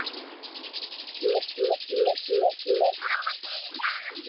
サボテンさん。